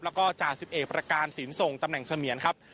แล้วก็จ่าสิบเอกประการศีลส่งตำแหน่งเสมียนครับ